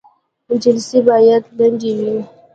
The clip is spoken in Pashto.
جلسې باید لنډې وي